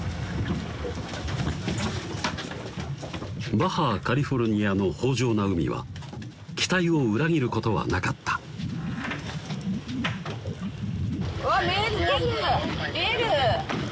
バハ・カリフォルニアの豊穣な海は期待を裏切ることはなかったわぁ見える見える！